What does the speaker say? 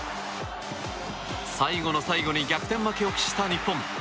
最後の最後に逆転負けを喫した日本。